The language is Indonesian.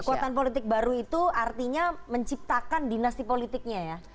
kekuatan politik baru itu artinya menciptakan dinasti politiknya ya